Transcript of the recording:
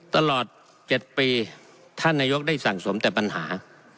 ตลอด๗ปีท่านนายกได้สั่งสมแต่ปัญหา